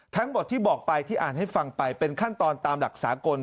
ทั้งหมดที่บอกไปที่อ่านให้ฟังไปเป็นขั้นตอนตามหลักสากล